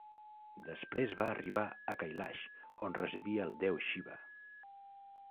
Després va arribar a Kailash, on residia el déu Shiva.